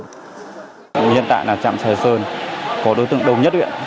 hiện tại là trạm sài sơn có đối tượng đông nhất huyện